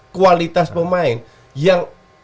kualitas pemain yang